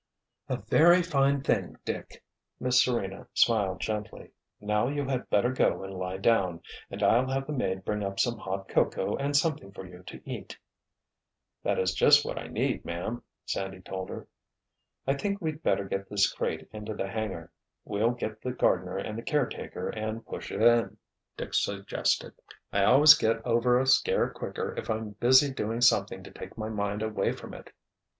"A very fine thing, Dick." Miss Serena smiled gently. "Now you had better go and lie down, and I'll have the maid bring up some hot cocoa and something for you to eat." "That is just what I need, ma'am," Sandy told her. "I think we'd better get this crate into the hangar—we'll get the gardener and the caretaker and push it in," Dick suggested. "I always get over a scare quicker if I'm busy doing something to take my mind away from it."